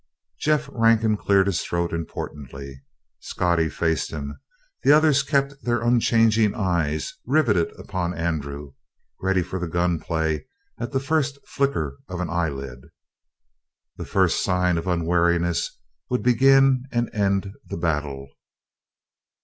Jeff Rankin cleared his throat importantly. Scottie faced him; the others kept their unchanging eyes rivetted upon Andrew, ready for the gun play at the first flicker of an eyelid. The first sign of unwariness would begin and end the battle.